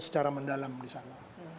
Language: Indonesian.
secara mendalam disana